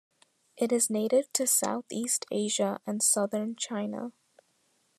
It is native to Southeast Asia and southern China.